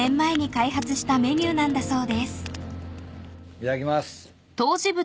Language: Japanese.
いただきます。